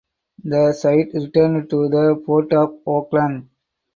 The site returned to the Port of Oakland.